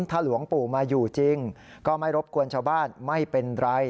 ถ้าหลวงปู่มาอยู่จริงก็ไม่รบกวนชาวบ้านไม่เป็นไร